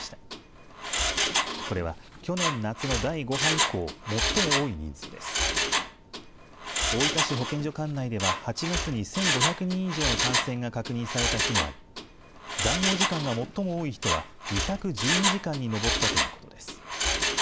大分市保健所管内では８月に１５００人以上の感染が確認された日もあり残業時間が最も多い人は２１２時間に上ったということです。